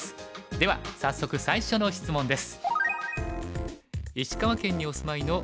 では早速最初の質問です。